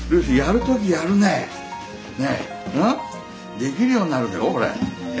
できるようになるよこれ。